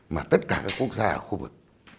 mà tất cả các quốc gia ở khu vực